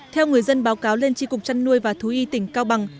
theo người dân báo cáo lên tri cục chăn nuôi và thú y tỉnh cao bằng